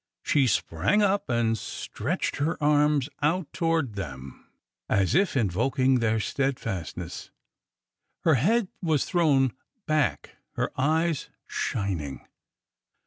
She sprang up and stretched her arms out toward them, as if invoking their steadfastness. Her head was thrown back, her eyes shining.